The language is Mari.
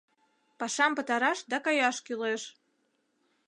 Пашам пытараш да каяш кӱлеш...